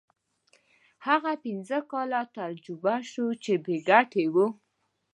هغه پنځه کاله تجربه شو چې بې ګټې وو.